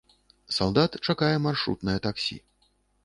Салдат чакае маршрутнае таксі.